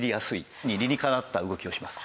理にかなった動きをします。